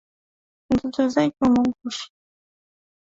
Ndoto zake humwogofya